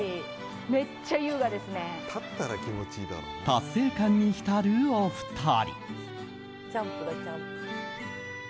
達成感に浸るお二人。